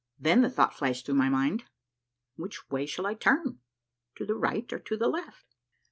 Then the thought flashed through my mind, —" Which way shall I turn, to the right or to the left?